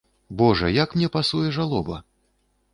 Божа, як мне пасуе жалоба!